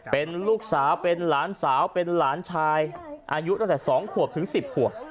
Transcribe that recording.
เป็นลูกสาวเป็นหลานสาวเป็นหลานชายอายุตั้งแต่๒ขวบถึง๑๐ขวบ